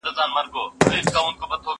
چې مادي شیان.